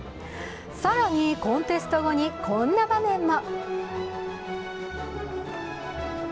更にコンテスト後にこんな場面も。